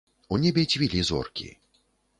У небе цвілі зоркі.